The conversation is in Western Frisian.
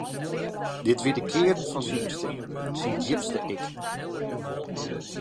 Dat wie de kearn fan syn bestean, syn djipste ik.